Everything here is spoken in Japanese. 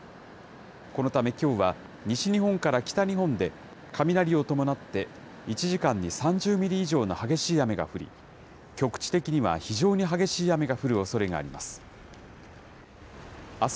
このためきょうは、西日本から北日本で、雷を伴って１時間に３０ミリ以上の激しい雨が降り、局地的には非常に激しい雨が降るおそれがあります。